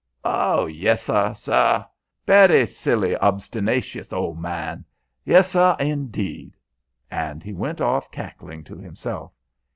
"Oh, yes, suh, sueh; berry silly, obstinacious ol' man. Yes, suh indeed." And he went off cackling to himself.